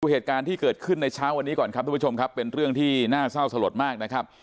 เหตุการณ์ที่เกิดขึ้นในเช้าวันนี้ก่อนครับทุกผู้ชมครับเป็นเรื่องที่น่าเศร้าสลดมากนะครับ